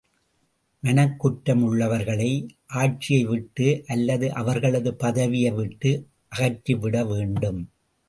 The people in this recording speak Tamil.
மனக்குற்றம் உள்ளவர்களை ஆட்சியை விட்டு அல்லது அவர்களது பதவியை விட்டு அகற்றிவிட வேண்டும்.